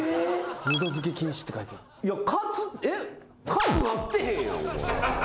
カツなってへんやん。